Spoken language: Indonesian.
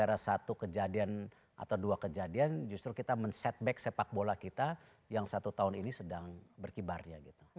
karena kalau ada satu kejadian atau dua kejadian justru kita men setback sepak bola kita yang satu tahun ini sedang berkibarnya